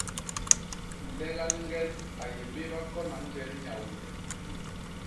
Nlega liñgen a yé béba kona njel Nyaônde.